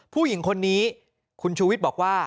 ผู้หญิงคนนี้คุณชูวิทย์บอกว่า